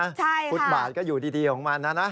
ใช่ค่ะฟุตบาลก็อยู่ดีของมันนะ